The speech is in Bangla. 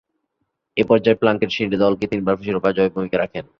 এ পর্যায়ে প্লাঙ্কেট শীল্ডে দলকে তিনবার শিরোপা জয়ে ভূমিকা রাখেন।